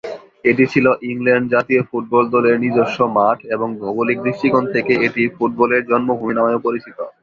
এটি ছিল ইংল্যান্ড জাতীয় ফুটবল দলের নিজস্ব মাঠ এবং ভৌগোলিক দৃষ্টিকোণ থেকে এটি ফুটবলের জন্মভূমি নামেও পরিচিত।